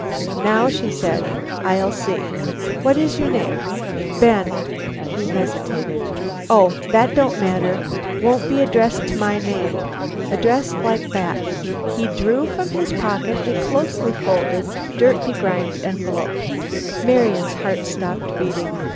"Now," she said, "I'll see. What is your name?" "Ben " he hesitated. "Oh that don't matter. Won't be addressed to my name. Addressed like that." He drew from his pocket a closely folded, dirt begrimed envelope. Marian's heart stopped beating.